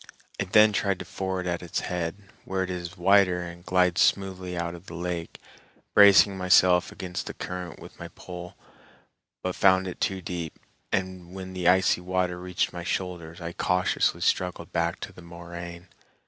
I then tried to ford at its head, where it is wider and glides smoothly out of the lake, bracing myself against the current with a pole, but found it too deep, and when the icy water reached my shoulders I cautiously struggled back to the moraine.